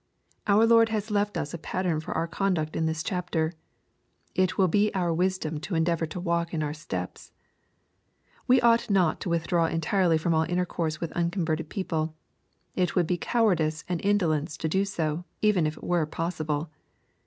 Our Lord has left us a pattern for our conduct in this chapter. It will be our wisdom to endeavor to walk in His steps. We ought not to withdraw entirely from all intercourse with unconverted people. It would be cowardice and in dolence to do so, even if it were possible.